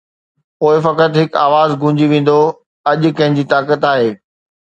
پوءِ فقط هڪ آواز گونجي ويندو: ’اڄ ڪنهن جي طاقت آهي‘؟